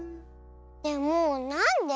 でもなんで？